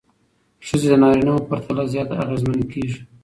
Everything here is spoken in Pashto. ښځې د نارینه وو پرتله زیات اغېزمنې کېږي.